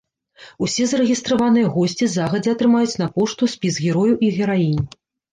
Усе зарэгістраваныя госці загадзя атрымаюць на пошту спіс герояў і гераінь.